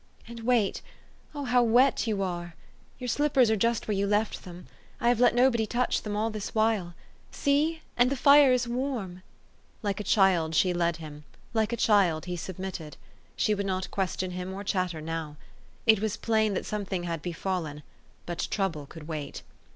" And wait Oh, how wet you are ! Your slippers are just where you left them. I have let nobody touch them all this while. See ! And the THE STOEY OF AVIS. 383 fire is warm." Like a child she led him; like a child he submitted. She would not question him or chatter now. It was plain that something had be fallen. But trouble could wait.